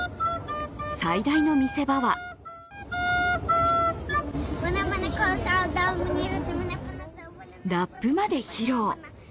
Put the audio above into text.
最大の見せ場はラップまで披露。